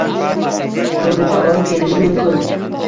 Shungacha olib kelishi mumkin.